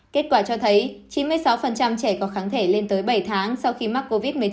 kết quả cho thấy chín mươi sáu trẻ có kháng thể lên tới bảy tháng sau khi mắc covid một mươi chín